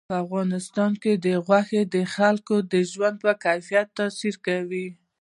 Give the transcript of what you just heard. په افغانستان کې غوښې د خلکو د ژوند په کیفیت تاثیر کوي.